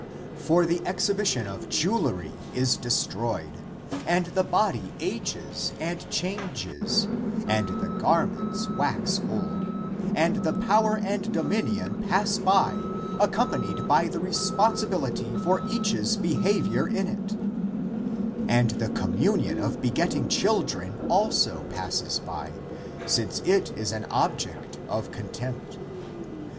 For the exhibition of jewelry is destroyed, and the body ages and changes, and the garments wax old, and the power and dominion pass by, accompanied by the responsibility for each's behavior in it (the rule). And the communion of begetting children also passes by, since it is an object of contempt.